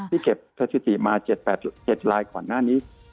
ที่เก็บสถิติมา๗๘รายขวัญหน้านี้